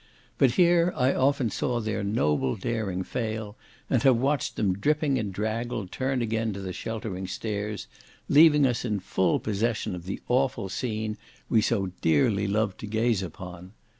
But here I often saw their noble daring fail, and have watched them dripping and draggled turn again to the sheltering stairs, leaving us in full possession of the awful scene we so dearly loved to gaze upon.